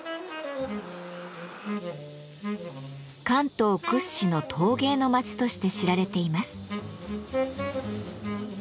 関東屈指の陶芸の町として知られています。